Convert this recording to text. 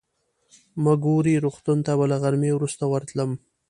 مګوري روغتون ته به له غرمې وروسته ورتلم.